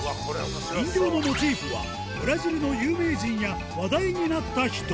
人形のモチーフは、ブラジルの有名人や話題になった人。